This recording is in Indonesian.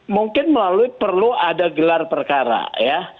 mungkin melalui perlu ada gelar perkara ya